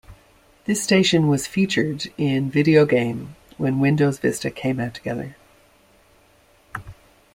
This station was 'featured' in video game, when Windows Vista came out together.